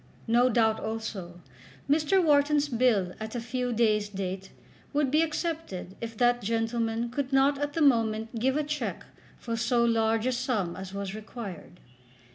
No doubt, also, Mr. Wharton's bill at a few days' date would be accepted if that gentleman could not at the moment give a cheque for so large a sum as was required.